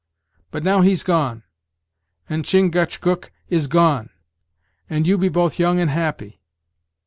But now he's gone, and Chingachgook Is gone; and you be both young and happy.